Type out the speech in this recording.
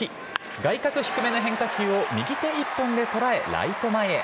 外角低めの変化球を右手一本で捉え、ライト前へ。